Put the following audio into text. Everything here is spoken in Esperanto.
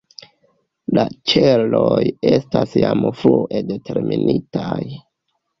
La ĉeloj estas jam frue determinitaj.